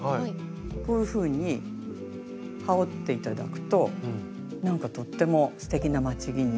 こういうふうに羽織って頂くとなんかとってもすてきな街着に。